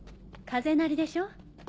風鳴りでしょ。